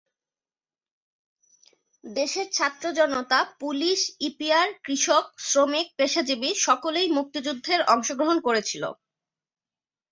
দেশের ছাত্র জনতা, পুলিশ, ইপিআর, কৃষক, শ্রমিক, পেশাজীবী সকলেই মুক্তিযুদ্ধের অংশগ্রহণ করেছিল।